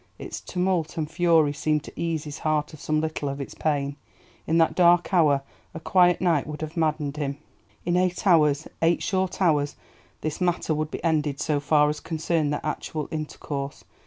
Its tumult and fury seemed to ease his heart of some little of its pain; in that dark hour a quiet night would have maddened him. In eight hours—eight short hours—this matter would be ended so far as concerned their actual intercourse.